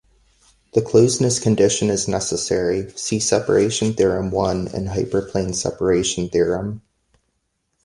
The closedness condition is necessary, see Separation theorem I in Hyperplane separation theorem.